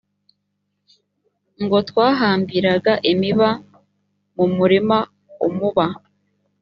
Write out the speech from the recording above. ngo twahambiraga imiba mu murima umuba